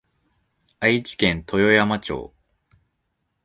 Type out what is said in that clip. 愛知県豊山町